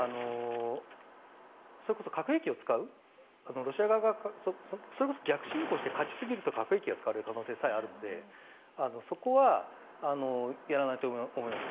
それこそ核兵器を使うロシア側が逆侵攻して勝ちすぎると核兵器が使われる可能性さえあるのでそこはやらないと思います。